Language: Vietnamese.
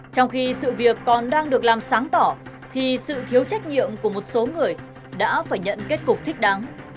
trong khi sự việc còn đang được làm sáng tỏ thì sự thiếu trách nhiệm của một số người đã phải nhận kết cục thích đáng